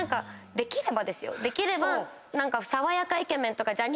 できれば。